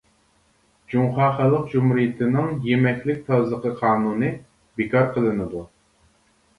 ‹ ‹جۇڭخۇا خەلق جۇمھۇرىيىتىنىڭ يېمەكلىك تازىلىقى قانۇنى› › بىكار قىلىنىدۇ.